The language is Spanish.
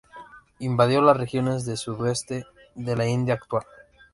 Invadió las regiones del sudoeste de la India actual.